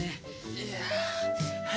いや。